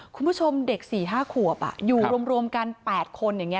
คุณผู้ชมเด็ก๔๕ขวบอยู่รวมกัน๘คนอย่างนี้